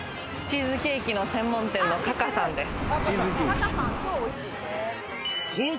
チーズケーキの専門店のＫＡＫＡさんです。